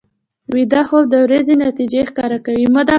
ویده خوب د ورځې نتیجې ښکاره کوي